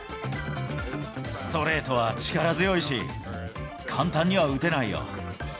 ストレートは力強いし、簡単には打てないよ。